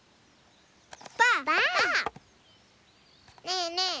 ねえねえ